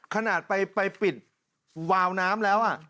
ขนาดไปปิดวาวน้ำแล้ว